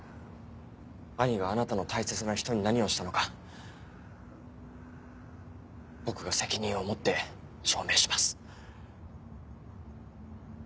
兄があなたの大切な人に何をしたのか僕が責任を持って証明します。